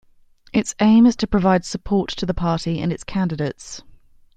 Its aim is to provide support to the party and its candidates.